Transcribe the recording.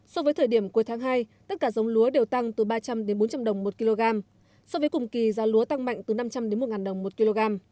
so với thời điểm cuối tháng hai tất cả giống lúa đều tăng từ ba trăm linh bốn trăm linh đồng một kg so với cùng kỳ giá lúa tăng mạnh từ năm trăm linh một đồng một kg